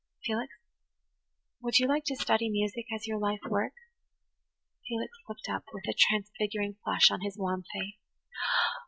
"Felix, would you like to study music as your life work?" Felix looked up, with a transfiguring flush on his wan face.